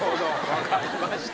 分かりました。